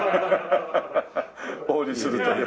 お売りするという。